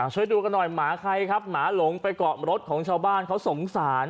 ช่วยดูกันหน่อยหมาใครครับหมาหลงไปเกาะรถของชาวบ้านเขาสงสาร